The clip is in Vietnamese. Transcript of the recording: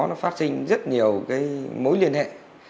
nó phát sinh rất nhiều cái mối liên hệ